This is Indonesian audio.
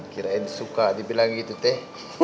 kirain suka dibilang gitu teh